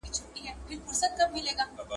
پاتا د ترانو ده غلبلې دي چي راځي